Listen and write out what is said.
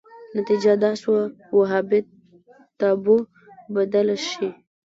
نتیجه دا شوه وهابیت تابو بدله شي